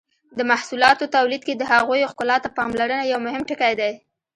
د محصولاتو تولید کې د هغوی ښکلا ته پاملرنه یو مهم ټکی دی.